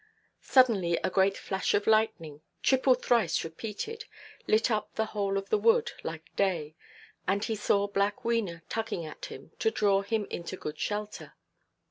Suddenly a great flash of lightning, triple thrice repeated, lit up the whole of the wood, like day; and he saw black Wena tugging at him, to draw him into good shelter.